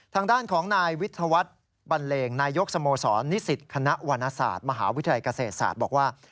ทางด้านของนายวิทยาวัตน์ปั่นเลงนายกสโมสรนิสิตฐ์คณะวรรณสาธิ์มหาวิทยากาศีสาธิ์บอกว่า